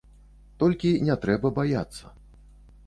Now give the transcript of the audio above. Толькі не трэба баяцца.